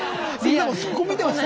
そこ見てました？